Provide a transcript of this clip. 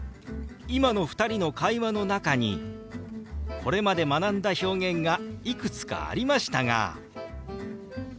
今の２人の会話の中にこれまで学んだ表現がいくつかありましたが分かりました？